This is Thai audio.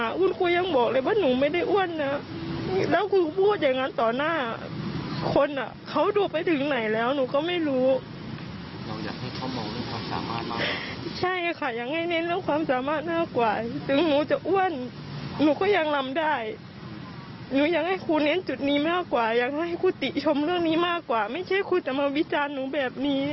อันนี้มากกว่าไม่ใช่คุณทางมาวิจารณ์หนูแบบนี้